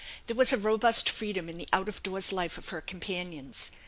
There was a robust freedom in the out of doors life of her companions.